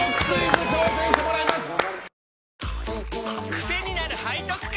クセになる背徳感！